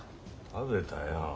食べたよ。